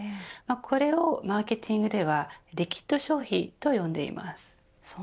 これをマーケティングではリキッド消費と呼んでいます。